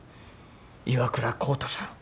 岩倉浩太さん